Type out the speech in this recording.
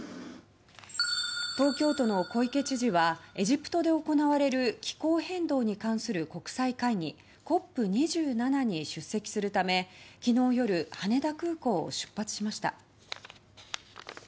東京都の小池知事はエジプトで行われる気候変動に関する国際会議ＣＯＰ２７に出席するため昨日夜羽田空港を出発しました。